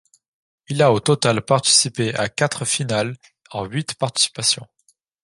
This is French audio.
Il a au total participé à quatre finale en huit participations.